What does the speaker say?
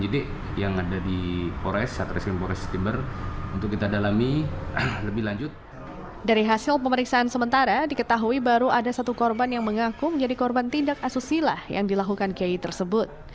dari hasil pemeriksaan sementara diketahui baru ada satu korban yang mengaku menjadi korban tindak asusila yang dilakukan kiai tersebut